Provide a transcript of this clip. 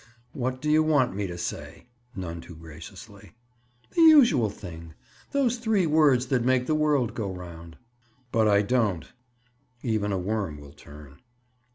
"What do you want me to say?" None too graciously. "The usual thing! Those three words that make the world go around." "But I don't." Even a worm will turn.